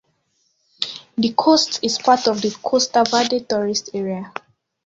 The coast is part of the Costa Verde tourist area.